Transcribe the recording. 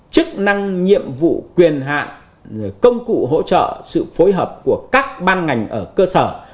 chức năng nhiệm vụ quyền hạn công cụ hỗ trợ sự phối hợp của các ban ngành ở cơ sở